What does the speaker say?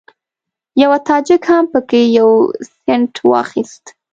یوه تاجک هم په کې یو سینټ وانخیست.